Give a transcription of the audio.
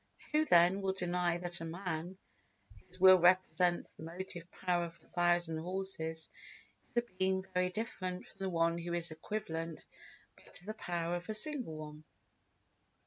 Who, then, will deny that a man whose will represents the motive power of a thousand horses is a being very different from the one who is equivalent but to the power of a single one?